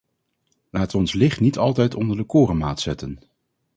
Laten we ons licht niet altijd onder de korenmaat zetten!